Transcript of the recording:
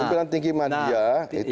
pimpinan tinggi media itu